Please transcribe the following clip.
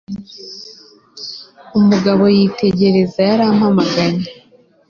Umugabo yitegereza yarampamagaye